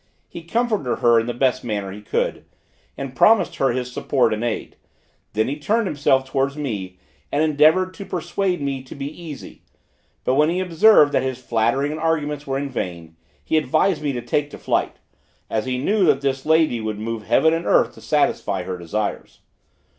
He comforted her in the best manner he could, and promised her his support and aid; then he turned himself towards me and endeavored to persuade me to be easy; but when he observed that his flattering and arguments were vain, he advised me to take to flight, as he knew that this lady would move heaven and earth to satisfy her desires.